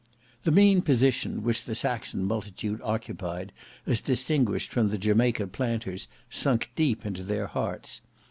The mean position which the Saxon multitude occupied as distinguished from the Jamaica planters sunk deep into their hearts.